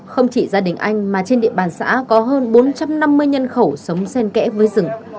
không chỉ gia đình anh mà trên địa bàn xã có hơn bốn trăm năm mươi nhân khẩu sống sen kẽ với rừng